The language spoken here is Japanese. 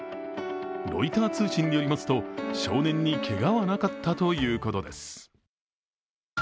ロイター通信によりますと、少年にけがはなかったということです。